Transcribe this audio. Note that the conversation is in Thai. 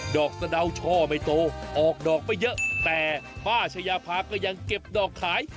อกสะดาวช่อไม่โตออกดอกไปเยอะแต่ป้าชายาภาก็ยังเก็บดอกขาย